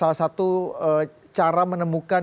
salah satu cara menemukan